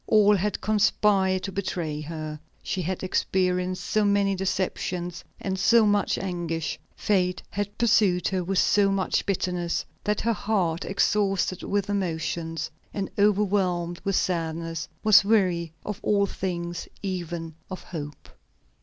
All had conspired to betray her. She had experienced so many deceptions and so much anguish; fate had pursued her with so much bitterness, that her heart, exhausted with emotions, and overwhelmed with sadness, was weary of all things, even of hope.